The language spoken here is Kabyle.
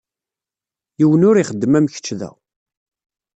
Yiwen ur ixeddem am kečč da.